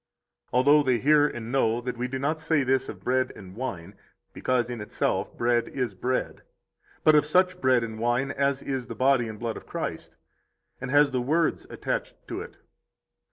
Although they hear and know that we do not say this of bread and wine, because in itself bread is bread, but of such bread and wine as is the body and blood of Christ, and has the words attached to it.